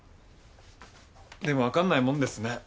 でも分かんないもんですね。